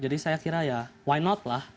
jadi saya kira ya kenapa tidak